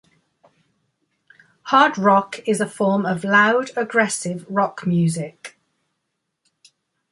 Hard rock is a form of loud, aggressive rock music.